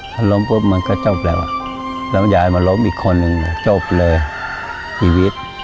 พอลำปุ๊บมันก็จบแล้วแล้วใจมาร้องมีคนหนึ่งจบเลย